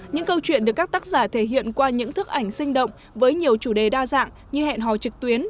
những câu chuyện được các tác giả thể hiện qua những thức ảnh sinh động với nhiều chủ đề đa dạng như hẹn hò trực tuyến